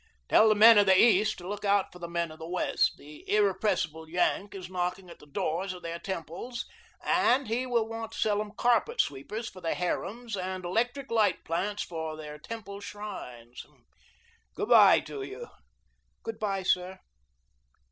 Tell the men of the East to look out for the men of the West. The irrepressible Yank is knocking at the doors of their temples and he will want to sell 'em carpet sweepers for their harems and electric light plants for their temple shrines. Good bye to you." "Good bye, sir."